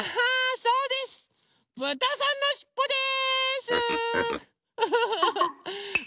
そうです！